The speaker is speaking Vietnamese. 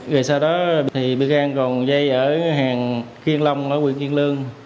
rồi sau đó thì bị găng còn dây ở hàng kiên long ở huyện kiên lương